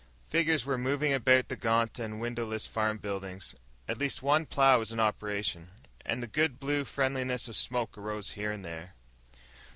Figures were moving about the gaunt and windowless farm buildings. At least one plow was in operation, and the good blue friendliness of smoke arose here and there.